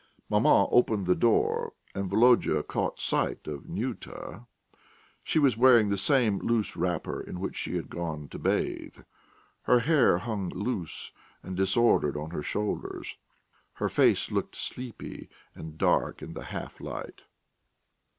Maman opened the door and Volodya caught sight of Nyuta. She was wearing the same loose wrapper in which she had gone to bathe. Her hair hung loose and disordered on her shoulders, her face looked sleepy and dark in the half light....